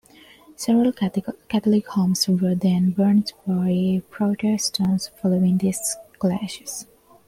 Several Catholic homes were then burnt by Protestants following these clashes.